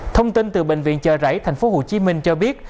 thông tin từ bệnh viện chợ rẫy tp hcm cho biết